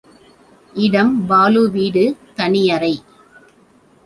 இடம் பாலு வீடு, தனி அறை.